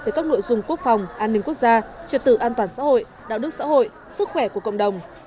về các nội dung quốc phòng an ninh quốc gia truyền tử an toàn xã hội đạo đức xã hội sức khỏe của cộng đồng